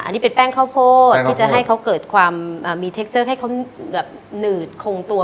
อันนี้เป็นแป้งข้าวโพดแป้งข้าวโพดที่จะให้เขาเกิดความเอ่อมีให้เขาแบบหนืดคงตัว